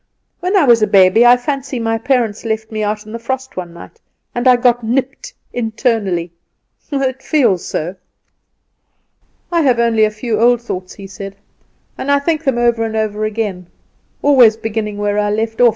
"When I was a baby, I fancy my parents left me out in the frost one night, and I got nipped internally it feels so!" "I have only a few old thoughts," he said, "and I think them over and over again; always beginning where I left off.